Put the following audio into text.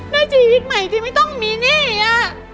หน้าชีวิตใหม่ที่ไม่ต้องมีหนี้อ่ะ